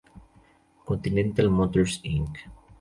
Continental Motors, Inc.